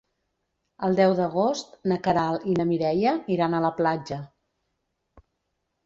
El deu d'agost na Queralt i na Mireia iran a la platja.